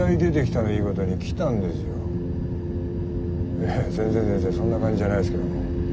いや全然全然そんな感じじゃないですけど。